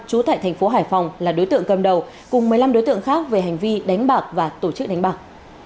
trú tại thành phố hải phòng là đối tượng cầm đầu cùng một mươi năm đối tượng khác về hành vi đánh bạc và tổ chức đánh bạc